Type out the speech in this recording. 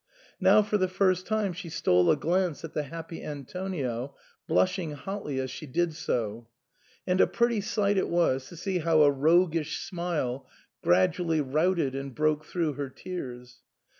Now, for the first time, she stole a glance at the happy Antonio, blushing hotly as she did so ; and a pretty sight it was to see how a roguish smile gradually routed and broke through her tears.